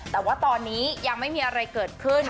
แต่ว่าตอนนี้ยังไม่มีอะไรเกิดขึ้น